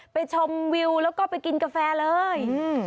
ชมวิวแล้วก็ไปกินกาแฟเลย